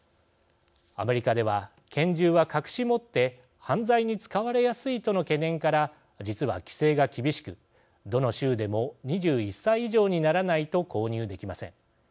アメリカでは拳銃は隠し持って犯罪に使われやすいとの懸念から実は規制が厳しく、どの州でも２１歳以上にならないと購入できません。